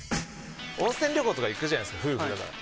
温泉旅行とか行くじゃないですか夫婦だから。